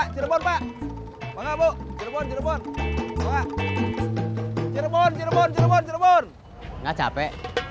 jangan lupa mencoba